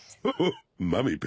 フフッ！